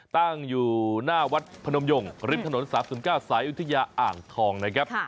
ตั้งอยู่หน้าวัดพนมยงริมถนน๓๐๙สายอุทยาอ่างทองนะครับ